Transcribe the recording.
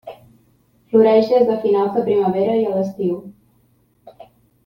Floreix des de finals de primavera i a l'estiu.